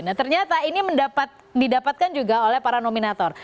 nah ternyata ini didapatkan juga oleh para nominator